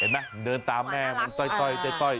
เห็นไหมเดินตามแม่มันท่อย